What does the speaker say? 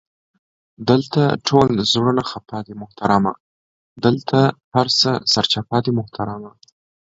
دالته ټول زړونه خفه دې محترمه، دالته هر څه سرچپه دي محترمه!